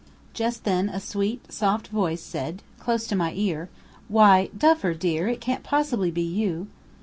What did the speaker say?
Just then a sweet, soft voice said, close to my ear: "Why, Duffer, dear, it can't possibly be you!"